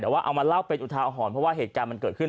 แต่ว่าเอามาเล่าเป็นอุทาหรณ์เพราะว่าเหตุการณ์มันเกิดขึ้น